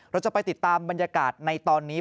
เราจะไปติดตามบรรยากาศในตอนนี้